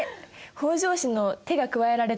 北条氏の手が加えられてると。